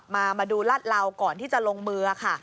มาดูรัดเหลาก่อนที่จะลงมือค่ะ